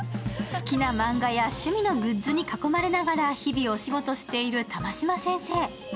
好きなマンガや趣味のグッズに囲まれながら日々お仕事をしている玉島先生。